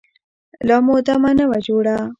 لا مو دمه نه وه جوړه.